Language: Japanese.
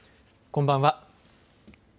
こんばんは。